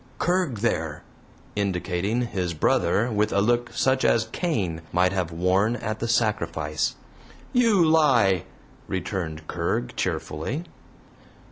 "Kerg, there" indicating his brother with a look such as Cain might have worn at the sacrifice. "You lie!" returned Kerg, cheerfully.